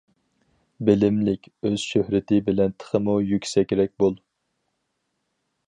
بىلىملىك ئۆز شۆھرىتى بىلەن تېخىمۇ يۈكسەكرەك بول.